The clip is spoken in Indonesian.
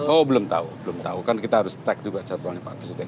oh belum tahu belum tahu kan kita harus cek juga jadwalnya pak presiden